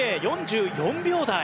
４４秒台。